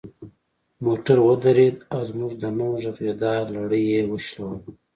موټر ودرید او زموږ د نه غږیدا لړۍ یې وشلوله.